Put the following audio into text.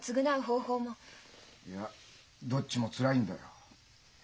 いやどっちもつらいんだよ。